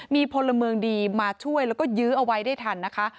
มีพลเมืองดีมาช่วยแล้วก็ยื้อเอาไว้ได้ทันนะคะ